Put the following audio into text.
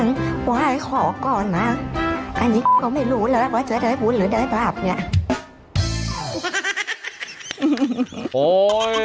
อันนี้เขาไม่รู้แล้วว่าเจอได้พูดหรือได้บาปนี่